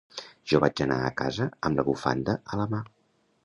Jo vaig anar a casa amb la bufanda a la mà.